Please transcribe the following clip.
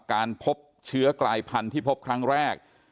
การพบเชื้อกลายพันธุ์ที่พบครั้งแรก